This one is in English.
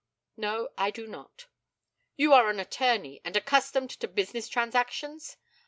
No, I do not. You are an attorney, and accustomed to business transactions?